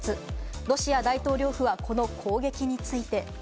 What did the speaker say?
ロシア大統領府はこの攻撃について。